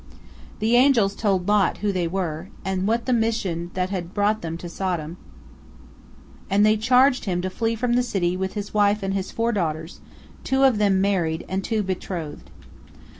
The angels told Lot who they were, and what the mission that had brought them to Sodom, and they charged him to flee from the city with his wife and his four daughters, two of them married, and two betrothed.